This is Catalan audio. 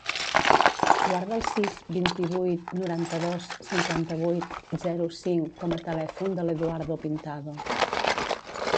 Guarda el sis, vint-i-vuit, noranta-dos, cinquanta-vuit, zero, cinc com a telèfon de l'Eduardo Pintado.